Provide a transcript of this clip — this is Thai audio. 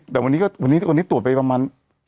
แต่วันนี้ก็วันนี้วันนี้ตรวจไปประมาณ